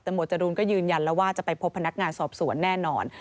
แต่หวดจรูนก็ยืนยันแล้วว่าจะไปพบพนักงานสอบสวนแน่นอน